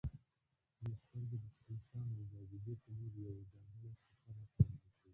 • شنې سترګې د خپل شان او جاذبې په لور یو ځانګړی سفر رهنمائي کوي.